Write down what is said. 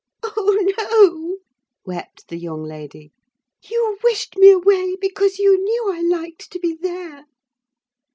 "Oh, no," wept the young lady; "you wished me away, because you knew I liked to be there!"